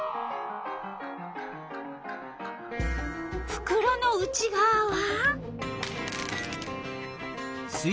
ふくろの内がわは？